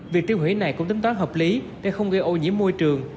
việc tiêu hủy này cũng tính toán hợp lý để không gây ô nhiễm môi trường